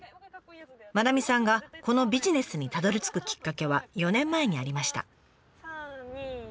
真七水さんがこのビジネスにたどりつくきっかけは４年前にありました。